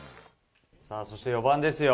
さあ、そして４番ですよ。